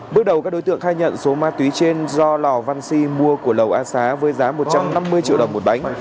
bước đầu các đối tượng khai nhận số ma túy trên do lò văn si mua của lầu a xá với giá một trăm năm mươi triệu đồng một bánh